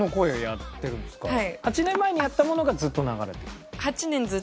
８年前にやったものがずっと流れてる？